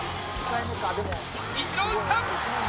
イチロー打った！